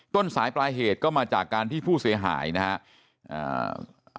ต้นสายปลายเหตุก็มาจากการที่ผู้เสียหายนะครับ